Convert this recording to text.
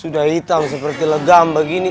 sudah hitam seperti legam begini